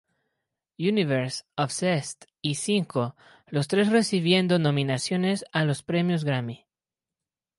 Universe", "Obsessed" y "Cinco", los tres recibiendo nominaciones a los premios Grammy.